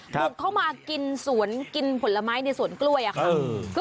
บุกเข้ามากินสวนกินผลไม้ในสวนกล้วยค่ะ